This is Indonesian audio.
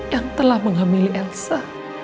yang telah menghamili elsa